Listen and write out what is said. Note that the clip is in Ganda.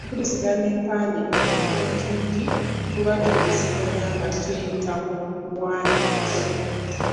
Empuliziganya empandiike mu bumpimpi tuba tuwuliziganya nga tuyita mu biwandiiko.